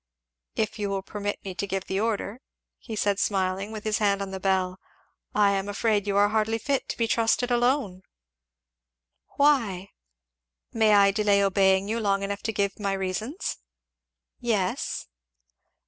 "If you will permit me to give the order," he said smiling, with his hand on the bell. "I am afraid you are hardly fit to be trusted alone." "Why?" "May I delay obeying you long enough to give my reasons?" "Yes."